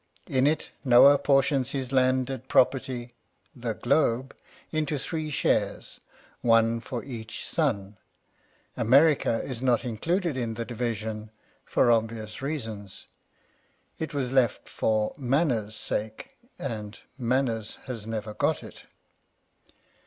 In it, Noah portions his landed property, the globe, into three shares, one for each son : America is not included in the division 39 Curiosities of Olden Times for obvious reasons. It was left for " manners " sake, and manners has never got it.